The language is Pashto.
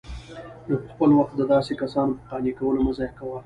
نو خپل وخت د داسي كسانو په قانع كولو مه ضايع كوه